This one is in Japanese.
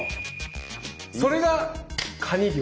それがカニ漁。